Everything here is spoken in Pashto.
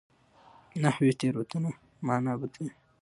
نحوي تېروتنه مانا بدلوي.